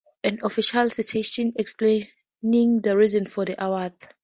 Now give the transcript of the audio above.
The Pulitzer Board issues an official citation explaining the reason for the award.